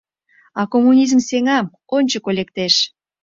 А коммунизм сеҥа, ончыко лектеш.